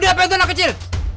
bagi apaan tuh anak kecil